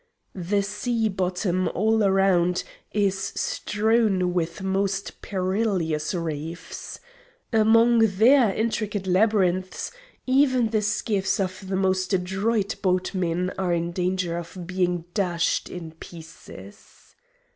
The sea bottom all around is strewn with most perilous reefs. Among their intricate labyrinths even the skiffs of the most adroit boatmen are in danger of being dashed in pieces.